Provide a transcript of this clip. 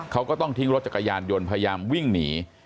เขาก็ต้องทิ้งรถจักรยานยนต์พยายามวิ่งหนี